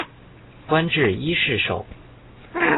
官至伊势守。